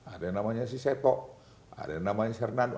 ada yang namanya si seto ada yang namanya sernando